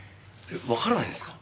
わからないんですか？